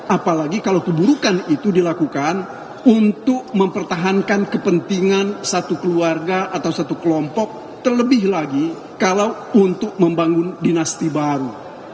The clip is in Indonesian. apalagi kalau keburukan itu dilakukan untuk mempertahankan kepentingan satu keluarga atau satu kelompok terlebih lagi kalau untuk membangun dinasti baru